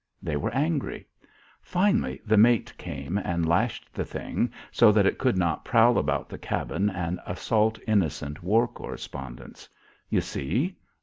They were angry. Finally the mate came and lashed the thing so that it could not prowl about the cabin and assault innocent war correspondents. You see?